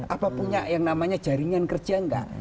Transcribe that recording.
apa punya yang namanya jaringan kerja nggak